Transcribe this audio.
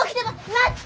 待って！